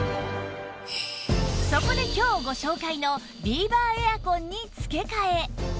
そこで今日ご紹介のビーバーエアコンに付け替え